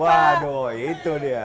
waduh itu dia